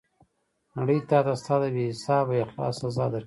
نړۍ تاته ستا د بې حسابه اخلاص سزا درکوي.